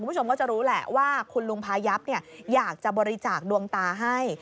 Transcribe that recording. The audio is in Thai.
คุณผู้ชมก็จะรู้แหละว่าคุณลุงพายับอยากจะบริจาคดวงตาให้